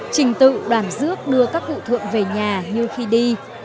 trình tự đoàn rước đưa các cụ thượng về nhà như khi đi